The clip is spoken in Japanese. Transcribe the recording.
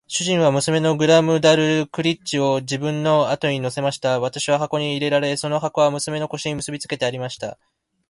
主人は娘のグラムダルクリッチを自分の後に乗せました。私は箱に入れられ、その箱は娘の腰に結びつけてありました。